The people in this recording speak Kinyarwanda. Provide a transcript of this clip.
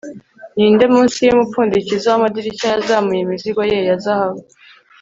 ninde munsi yumupfundikizo wamadirishya yazamuye imizigo ye ya zahabu